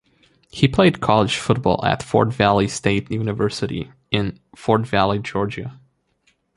He played college football at Fort Valley State University in Fort Valley, Georgia.